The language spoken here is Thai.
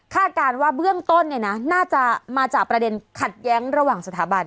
การว่าเบื้องต้นน่าจะมาจากประเด็นขัดแย้งระหว่างสถาบัน